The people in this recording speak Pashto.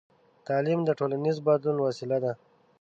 تعلیم د ټولنیز بدلون وسیله ده.